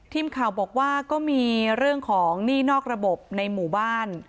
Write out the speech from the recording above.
ทีมข่าวบอกว่าก็มีเรื่องของหนี้นอกระบบในหมู่บ้าน